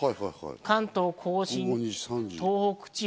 関東甲信、東北地方。